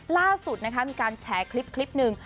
ล่าสุดมีการแชร์คลิปหนึ่ง